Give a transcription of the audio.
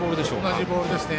同じボールですね。